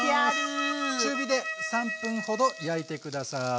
中火で３分ほど焼いて下さい。